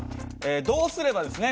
どうすればですね